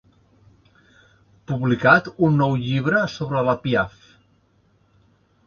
Publicat un nou llibre sobre la Piaff.